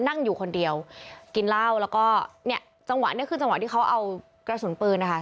นั่งอยู่คนเดียวกินเหล้าแล้วก็เนี่ยจังหวะนี้คือจังหวะที่เขาเอากระสุนปืนนะคะ